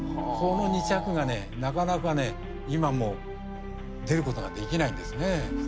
この２着がねなかなかね今も出ることができないんですね。